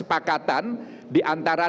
berdasarkan kesepakatan diantara